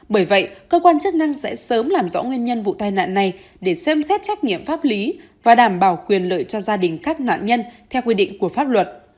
bởi vậy cơ quan chức năng sẽ sớm làm rõ nguyên nhân vụ tai nạn này để xem xét trách nhiệm pháp lý và đảm bảo quyền lợi cho gia đình các nạn nhân theo quy định của pháp luật